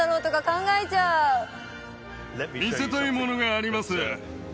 見せたいものがあります